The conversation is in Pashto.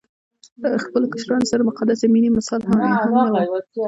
خپلو کشرانو سره د مقدسې مينې مثال يې هم نه وو